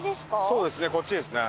そうですねこっちですね。